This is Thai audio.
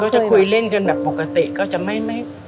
จะคุยเล่นกันแบบปกติก็จะไม่